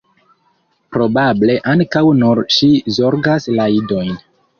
Probable ankaŭ nur ŝi zorgas la idojn.